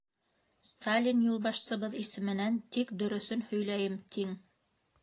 — Сталин юлбашсыбыҙ исеменән тик дөрөҫөн һөйләйем, тиң.